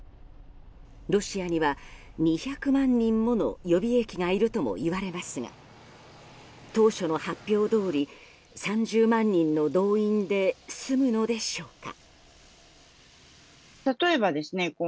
ロシアには、２００万人もの予備役がいるともいわれますが当初の発表どおり３０万人の動員で済むのでしょうか。